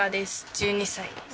１２歳です。